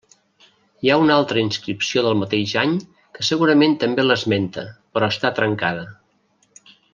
Hi ha una altra inscripció del mateix any que segurament també l'esmenta, però està trencada.